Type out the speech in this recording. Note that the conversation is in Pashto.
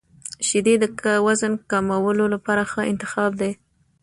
• شیدې د وزن کمولو لپاره ښه انتخاب دي.